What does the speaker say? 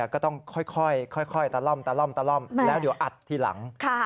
ก็ต้องค่อยตะล่อมแล้วเดี๋ยวอัดทีหลัง